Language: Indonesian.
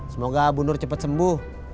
semoga bu nur cepet sembuh